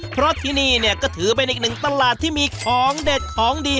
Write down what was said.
เพราะที่นี่เนี่ยก็ถือเป็นอีกหนึ่งตลาดที่มีของเด็ดของดี